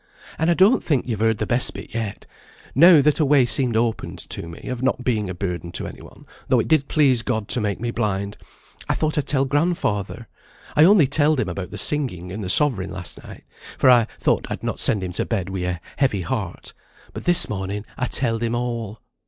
"And I don't think you've heard the best bit yet. Now that a way seemed opened to me, of not being a burden to any one, though it did please God to make me blind, I thought I'd tell grandfather. I only telled him about the singing and the sovereign last night, for I thought I'd not send him to bed wi' a heavy heart; but this morning I telled him all."